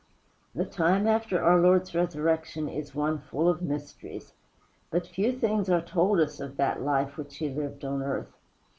The time after our Lord's resurrection is one full of mysteries. But few things are told us of that life which he lived on earth.